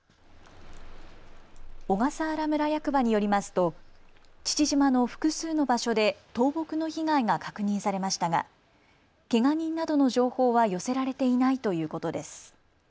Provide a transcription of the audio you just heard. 小笠原村役場によりますと父島の複数の場所で倒木の被害が確認されましたがけが人などの情報は寄せられていないということです。